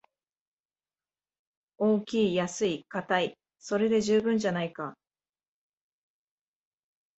大きい安いかたい、それで十分じゃないか